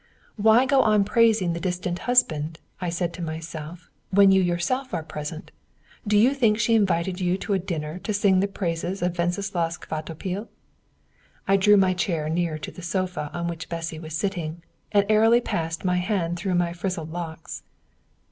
"Why go on praising the distant husband," said I to myself, "when you yourself are present? Do you think she invited you to dinner to sing the praises of Wenceslaus Kvatopil?" I drew my chair nearer to the sofa on which Bessy was sitting, and airily passed my hand through my frizzled locks.